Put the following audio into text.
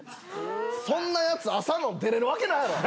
そんなやつ朝の出れるわけないやろ！